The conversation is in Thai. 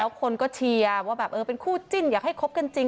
คนก็เชียร์ว่าแบบเออเป็นคู่จิ้นอยากให้คบกันจริง